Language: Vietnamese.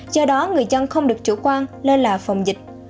do đó người dân không được chủ quan lơ là phòng dịch